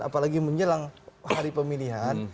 apalagi menjelang hari pemilihan